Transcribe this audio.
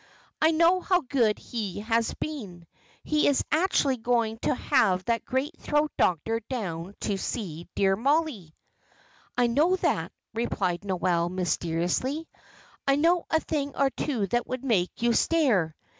I know how good he has been; he is actually going to have that great throat doctor down to see dear Mollie." "I know that," replied Noel, mysteriously. "I know a thing or two that would make you stare.